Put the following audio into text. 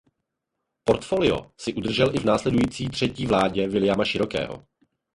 Portfolio si udržel i v následující třetí vládě Viliama Širokého.